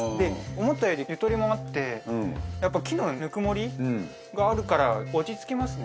思ったよりゆとりもあってやっぱ木のぬくもりがあるから落ち着きますね